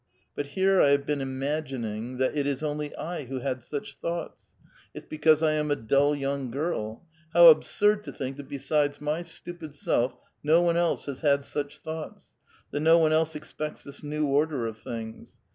But here I have been imagining that it is only I who had such thoughts ; it's because I am a dull young girl. How absurd to think that besides my stupid self \ no one has had such thoughts, that no one else cxpt^cts this new order of things.